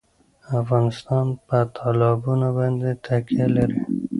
افغانستان په تالابونه باندې تکیه لري.